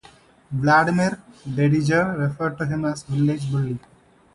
Vladimir Dedijer referred to him as village bully.